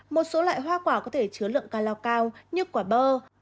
một số loại hoa quả có thể chứa lượng calor cao như quả bơ